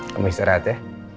kamu istirahat ya